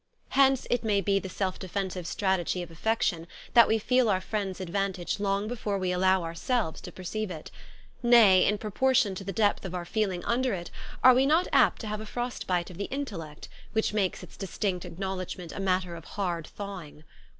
Hence it may be the self defensive strategy of affection, that we feel our friend's advantage long before we allow ourselves to perceive it ; nay, in proportion to the depth of our feeling under it, are we not apt to have a frost bite of the intellect, which makes its distinct acknowledgment a matter of hard thawing